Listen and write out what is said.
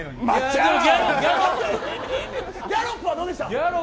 ギャロップはどうでした。